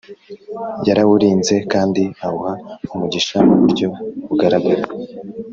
Yarawurinze kandi awuha umugisha mu buryo bugaragara